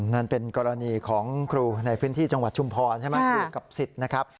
นั่นเป็นกรณีของครูในพื้นที่จังหวัดชุมพรใช่ไหมครับ